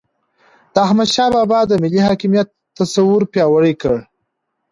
د احمد شاه بابا د ملي حاکمیت تصور پیاوړی کړ.